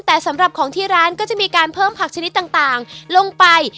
แต่สำหรับของที่ร้านก็จะมีการเพิ่มผักชนิดต่างลงไป